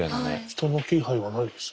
人の気配はないです。